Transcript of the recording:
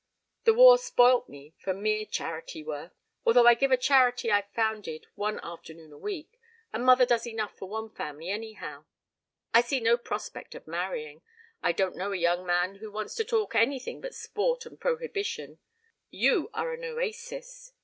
The war spoilt me for mere charity work although I give a charity I founded one afternoon a week and mother does enough for one family anyhow. I see no prospect of marrying I don't know a young man who wants to talk anything but sport and prohibition you are an oasis.